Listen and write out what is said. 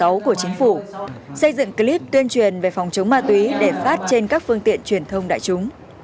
u một mươi sáu của chính phủ xây dựng clip tuyên truyền về phòng chống ma túy để phát trên các phương tiện truyền thông đại chúng